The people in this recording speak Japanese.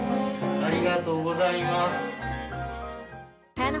ありがとうございます。